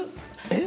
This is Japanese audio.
え？